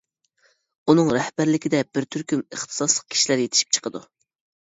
ئۇنىڭ رەھبەرلىكىدە بىر تۈركۈم ئىختىساسلىق كىشىلەر يېتىشىپ چىقىدۇ.